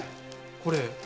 これ。